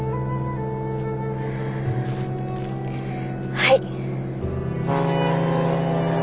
はい。